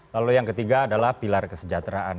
lalu yang ketiga adalah pilar kesejahteraan